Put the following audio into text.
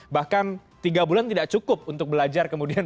bahkan tiga bulan tidak cukup untuk belajar kemudian